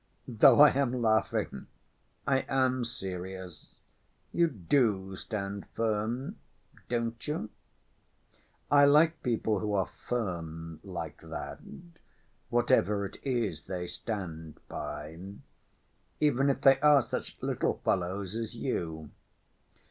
Though I am laughing, I am serious. You do stand firm, don't you? I like people who are firm like that whatever it is they stand by, even if they are such little fellows as you.